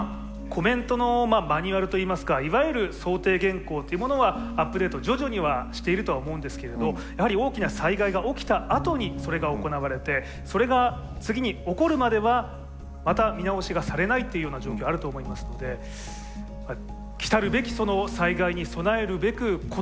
コメントのマニュアルといいますかいわゆる想定原稿というものはアップデート徐々にはしているとは思うんですけれどやはり大きな災害が起きたあとにそれが行われてそれが次に起こるまではまた見直しがされないというような状況あると思いますので来るべき